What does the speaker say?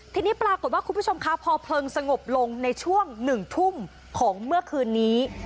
ทีนี้ปรากฏว่าคุณผู้ชมคะพอเพลิงสงบลงในช่วง๑ทุ่มของเมื่อคืนนี้